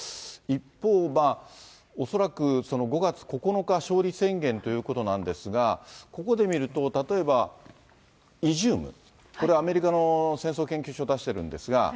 一方、恐らく５月９日勝利宣言ということなんですが、ここで見ると、例えば、イジューム、これ、アメリカの戦争研究所が出してるんですが。